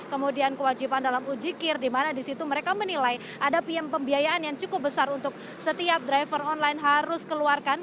kemudian kewajiban dalam uji kir dimana disitu mereka menilai ada pm pembiayaan yang cukup besar untuk setiap driver online harus keluarkan